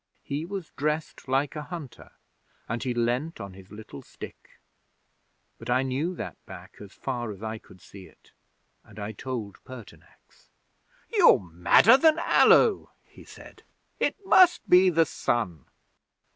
He was dressed like a hunter, and he leaned on his little stick; but I knew that back as far as I could see it, and I told Pertinax. '"You're madder than Allo!" he said. "It must be the sun!"